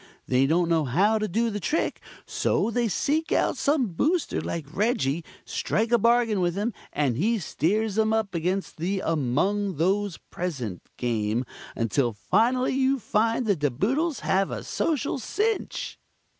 They don't know how to do the trick, so they seek out some Booster like Reggie, strike a bargain with him, and he steers 'em up against the 'Among Those Present' Game until finally you find the De Boodles have a social cinch."